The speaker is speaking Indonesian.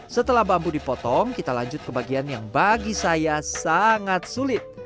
setelah bambu dipotong kita lanjut ke bagian yang bagi saya sangat sulit